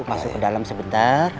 masuk ke dalam sebentar